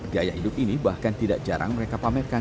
gaya hidup ini bahkan tidak jarang mereka pamerkan